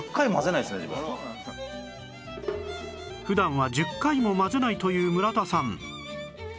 普段は１０回も混ぜないという村田さん